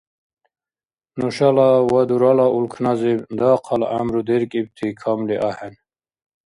Нушала ва дурала улкназиб дахъал гӀямру деркӀибти камли ахӀен.